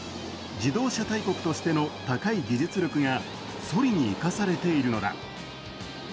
自動車大国としての高い技術力がそりに生かされているのだ。